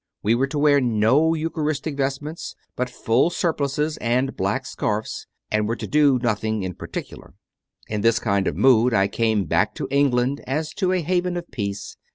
We were to wear no eucharistic vestments,~"Eut full surplices and black scarfs, and were to do nothing in particular. In this kind of mood I came back to England as to a haven of peace.